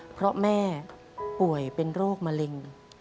เพราะแม่ป่วยเป็นโรคมะเร็ง